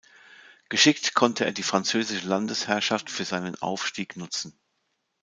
Geschickt konnte er die französische Landesherrschaft für seinen Aufstieg nutzen.